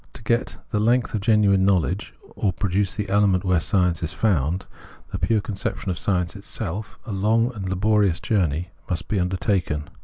To get the length of genuine knowledge, or produce the element where science is found — the pure conception of science itself — a long and laborious journey must be undertaken.